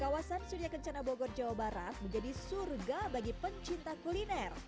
kawasan sudia kencana bogor jawa barat menjadi surga bagi pencinta kuliner